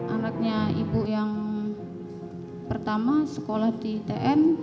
anaknya ibu yang pertama sekolah di tn